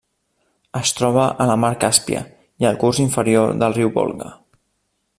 Es troba a la Mar Càspia i al curs inferior del riu Volga.